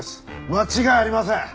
間違いありません！